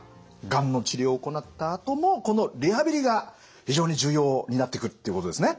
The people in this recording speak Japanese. がんの治療を行ったあともこのリハビリが非常に重要になってくるっていうことですね。